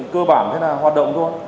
cơ bản thế là hoạt động thôi